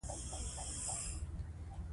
نوموړي کشره خور او ورور له لاسه ورکړل.